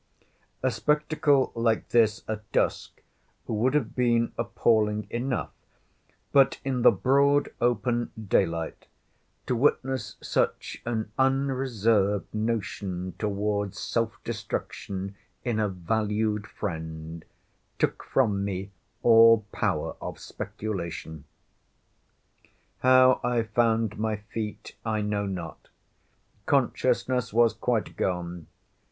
A spectacle like this at dusk would have been appalling enough; but, in the broad open daylight, to witness such an unreserved motion towards self destruction in a valued friend, took from me all power of speculation. How I found my feet, I know not. Consciousness was quite gone.